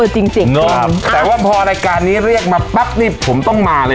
จริงโอ้โหแค่เสื้อพี่โน่นุ่มเรียกว่าติดทีมชาติชุดเอ